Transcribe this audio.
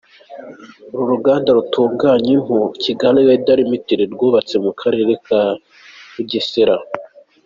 Uru ruganda rutunganya impu Kigali Leather Ltd rwubatse mu Karere ka Bugesera.